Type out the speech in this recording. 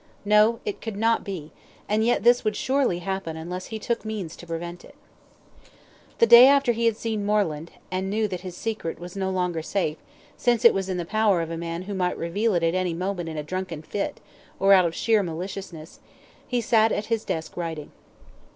No, it could not be, and yet this would surely happen unless he took means to prevent it. The day after he had seen Moreland, and knew that his secret was no longer safe, since it was in the power of a man who might reveal it at any moment in a drunken fit, or out of sheer maliciousness, he sat at his desk writing.